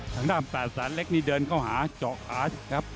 ทางด้าน๘แสนเล็กนี่เดินเข้าหาเจาะขาครับ